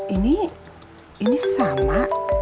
ini ini sama